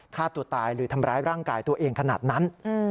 ฆ่าตัวตายหรือทำร้ายร่างกายตัวเองขนาดนั้น